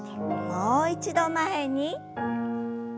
もう一度前に。